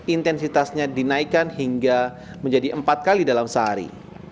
intensitasnya dinaikkan hingga menjadi empat kali dalam sehari